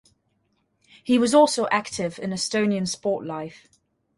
He was also active in Estonian sport life.